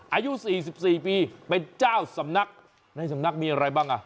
อายุ๔๔ปีเป็นเจ้าสำนักในสำนักมีอะไรบ้างอ่ะ